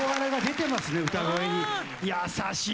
優しい！